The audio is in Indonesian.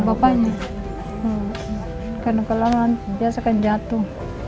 bapaknya karena kelaman biasanya jatuh